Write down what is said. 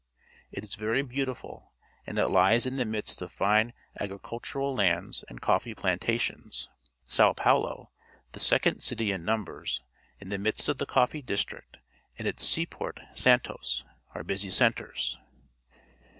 It is very beautiful, and it Ues in the midst of fine agricultural lands and coffee plantations. Sao Paulo, the second cit\' in numbers, in the midst of the coffee dis tiict, and its seaport, Santos, are busy centres.